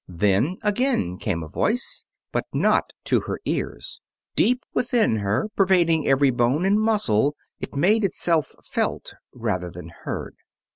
Then again came a voice, but not to her ears. Deep within her, pervading every bone and muscle, it made itself felt rather than heard.